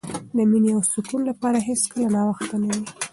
د مینې او سکون لپاره هېڅکله ناوخته نه وي.